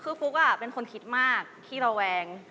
คือฟุ๊กเป็นคนคิดมากขี้ระแวง